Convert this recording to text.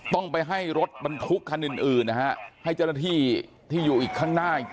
ต้องไปให้รถบรรทุกคันอื่นนะฮะให้เจ้าหน้าที่ที่อยู่อีกข้างหน้า